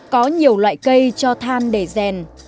có nhiều loại cây cho than để rèn